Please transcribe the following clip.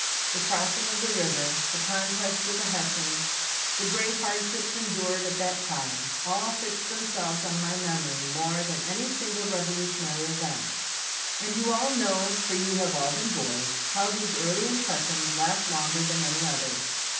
The crossing of the river; the contest with the Hessians; the great hardships endured at that time, all fixed themselves on my memory more than any single revolutionary event ; and you all know, for you have all been boys, how these early impressions last longer than any others.